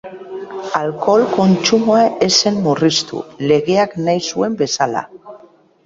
Alkohol kontsumoa ez zen murriztu, legeak nahi zuen bezala.